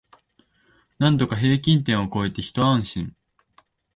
なんとか平均点を超えてひと安心